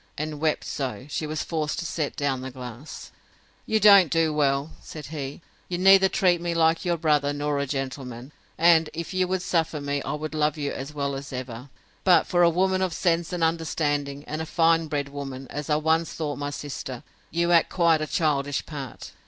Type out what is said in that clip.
And wept so, she was forced to set down the glass. You don't do well, said he. You neither treat me like your brother nor a gentleman; and if you would suffer me, I would love you as well as ever.—But for a woman of sense and understanding, and a fine bred woman, as I once thought my sister, you act quite a childish part.